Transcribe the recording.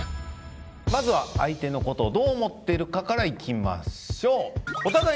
まずは相手の事をどう思ってるかからいきましょう。